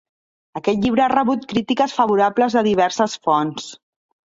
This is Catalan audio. Aquest llibre ha rebut crítiques favorables de diverses fonts.